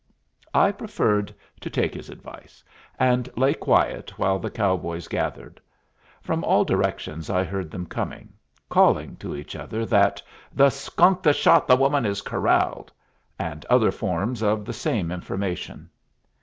I preferred to take his advice, and lay quiet while the cowboys gathered. From all directions I heard them coming, calling to each other that "the skunk that shot the woman is corralled," and other forms of the same information.